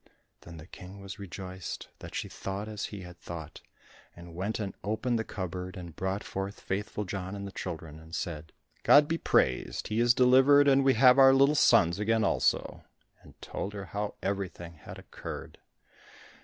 Then the King was rejoiced that she thought as he had thought, and went and opened the cupboard, and brought forth Faithful John and the children, and said, "God be praised, he is delivered, and we have our little sons again also," and told her how everything had occurred.